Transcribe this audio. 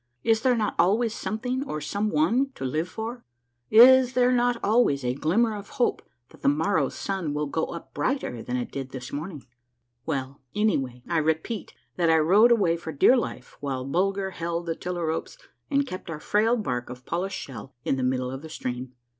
Is there not always something, or some one, to live for ? Is there not always a glimmer of hope that the morrow's sun will go up brighter than it did this morning ? Well, anyway, I repeat that I rowed away for dear life, while Bulger held the tiller ropes and kept our frail bark of polished shell in the middle of the stream.